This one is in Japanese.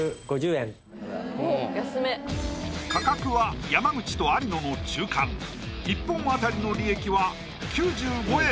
おっ安め価格は山口と有野の中間１本あたりの利益は９５円